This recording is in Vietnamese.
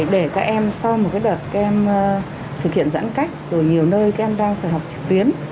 để các em sau một đợt các em thực hiện giãn cách rồi nhiều nơi các em đang phải học trực tuyến